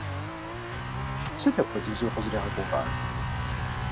Сыт апхуэдизу укъызэригъэгугъар?